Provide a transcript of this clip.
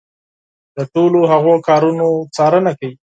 د ټولو هغو کارونو څارنه کوي.